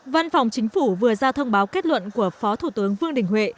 văn phòng chính phủ vừa ra thông báo kết luận của phó thủ tướng vương đình huệ